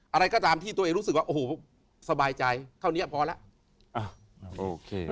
อะไรก็ตามที่ตัวเองรู้สึกว่าโอ้โหสบายใจเท่านี้พอแล้ว